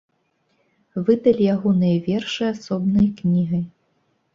Выдалі ягоныя вершы асобнай кнігай.